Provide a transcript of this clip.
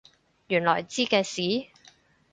原來知嘅事？